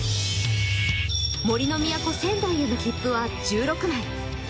杜の都・仙台への切符は１６枚。